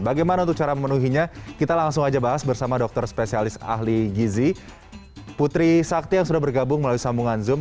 bagaimana untuk cara memenuhinya kita langsung aja bahas bersama dokter spesialis ahli gizi putri sakti yang sudah bergabung melalui sambungan zoom